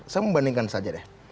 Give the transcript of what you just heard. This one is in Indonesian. saya membandingkan saja deh